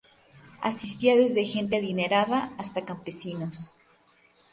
Asistía desde gente adinerada hasta campesinos.